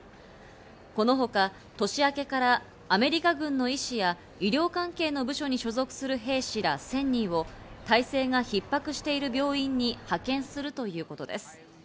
このほか年明けからアメリカ軍の医師や医療関係の部署に所属する兵士ら１０００人を態勢が逼迫している病院に派遣するということです。